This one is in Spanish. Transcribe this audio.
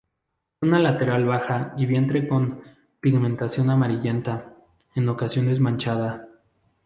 Zona lateral baja y vientre con pigmentación amarillenta, en ocasiones manchada.